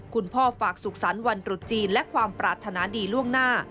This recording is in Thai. คุณพ่อฝากสุขสรรค์วันตรุษจีนและความปรารถนาดีล่วงหน้า